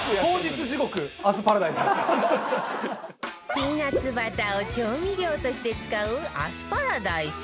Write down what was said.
ピーナッツバターを調味料として使うアスパラダイス？